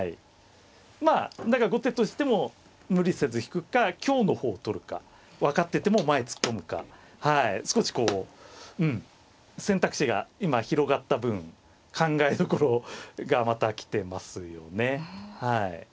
だから後手としても無理せず引くか香の方を取るか分かってても前へ突っ込むか少しこううん選択肢が今広がった分考えどころがまた来てますよね。